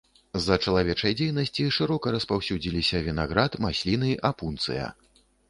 З-за чалавечай дзейнасці шырока распаўсюдзіліся вінаград, масліны, апунцыя.